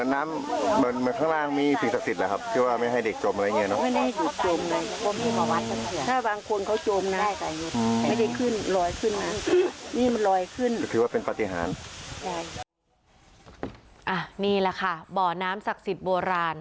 นี่แหละค่ะบ่อน้ำศักดิ์สิทธิ์โบราณ